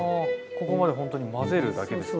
ここまでほんとに混ぜるだけですけど。